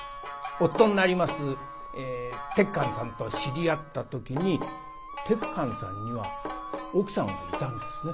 夫になります鉄幹さんと知り合った時に鉄幹さんには奥さんがいたんですね。